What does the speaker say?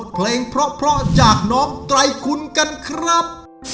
เพลงเพราะจากน้องไตรคุณกันครับ